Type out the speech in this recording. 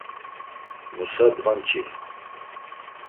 Musa dvanç̌inu.